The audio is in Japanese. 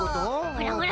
ほらほら。